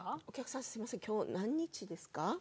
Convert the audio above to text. お客さんすみません今日何日ですか？